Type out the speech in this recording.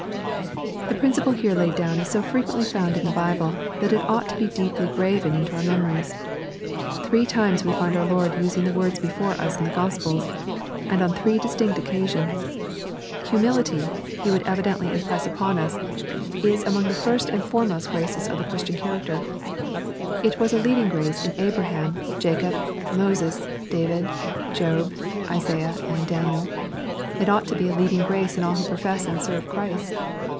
The principle here laid down is so frequently found in the Bible, that it ought to be deeply graven in our memories. Three times we find our Lord using the words before us in the Gospels, and on three distinct occasions. Humility, He would evidently impress upon r LUKE, CHAP. xvin. 268 US, is among the first and foremost graces of the Chris tian character. It was a leading grace in Abraham, Jacob, Moses, David, Job, Isaiah, and Daniel. It ought to be a leading grace in all who profess to serve Christ.